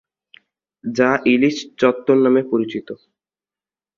যা ইলিশ চত্বর নামে পরিচিত।